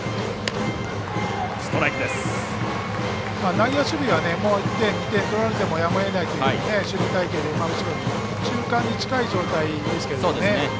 内野守備は、もう１点、２点を取られてもやむをえないという守備隊形でしょうけども中間に近い状態ですけどもね。